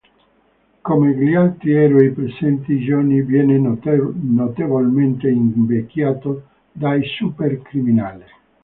Come gli altri eroi presenti, Johnny viene notevolmente invecchiato dal supercriminale.